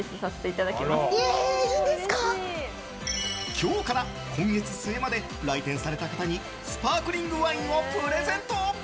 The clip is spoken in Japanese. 今日から今月末まで来店された方にスパークリングワインをプレゼント。